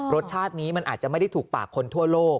รสชาตินี้มันอาจจะไม่ได้ถูกปากคนทั่วโลก